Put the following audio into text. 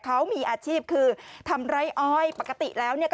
เขามีอาชีพคือทำไร้อ้อยปกติแล้วเนี่ย